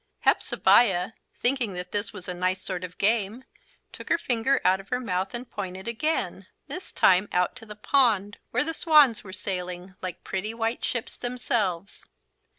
Hepzebiah, thinking that this was a nice sort of a game, took her finger out of her mouth and pointed again this time out at the pond where the swans were sailing, like pretty white ships themselves.